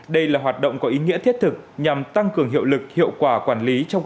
đây là hoạt động có ý nghĩa thiết thực nhằm tăng cường hiệu lực hiệu quả quản lý trong